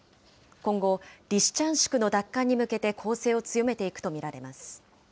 今後、リシチャンシクの奪還に向けて、攻勢を強めていくと見られます。